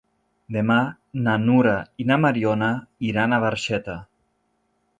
Demà na Nura i na Mariona iran a Barxeta.